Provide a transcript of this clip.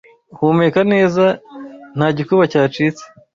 Humeka neza ntagikuba cyacitse